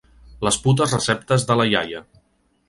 Les putes receptes de la iaia.